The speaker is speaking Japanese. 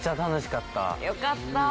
よかった。